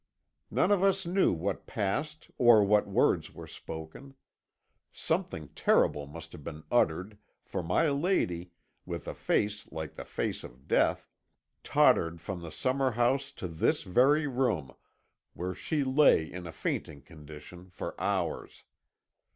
"None of us knew what passed or what words were spoken; something terrible must have been uttered, for my lady, with a face like the face of death, tottered from the summer house to this very room, where she lay in a fainting condition for hours.